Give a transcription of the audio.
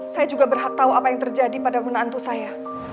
saya juga berhak tahu apa yang terjadi pada munantu saya